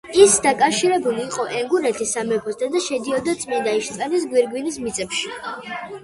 ის დაკავშირებული იყო უნგრეთის სამეფოსთან და შედიოდა წმინდა იშტვანის გვირგვინის მიწებში.